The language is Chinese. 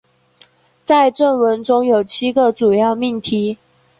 在正文中有七个主要命题。